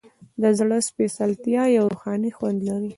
د زړه سپیڅلتیا یو روحاني خوند لري.